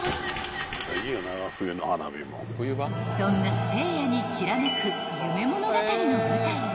［そんな聖夜にきらめく夢物語の舞台は］